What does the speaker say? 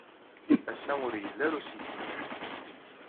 Ass-a, ur yelli ara usigna.